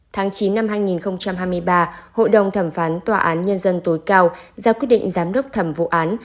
tháng chín năm hai nghìn hai mươi ba hội đồng thẩm phán tòa án nhân dân tối cao ra quyết định giám đốc thẩm vụ án